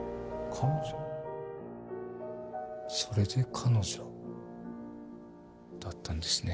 それで「彼女」だったんですね。